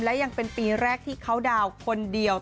และยังเป็นปีแรกที่เขาดาวน์คนเดียว